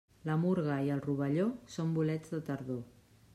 La murga i el rovelló són bolets de tardor.